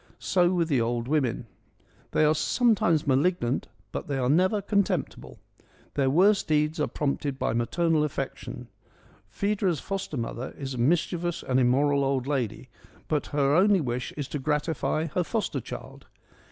So with the old women. They are some times malignant, but they are never contemptible. Their worst deeds are prompted by maternal affec tion. Phaedra's foster mother is a mischievous and 96 FEMINISM IN GREEK LITERATURE immoral old lady, but her only wish is to gratify her foster child.